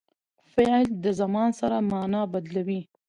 فعل د زمان سره مانا بدلوي.